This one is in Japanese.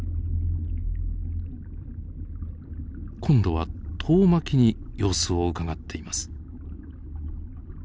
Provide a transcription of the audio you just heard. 今度は遠巻きに様子をうかがっています。